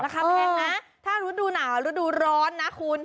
ราคาแพงนะถ้าฤดูหนาวฤดูร้อนนะคุณ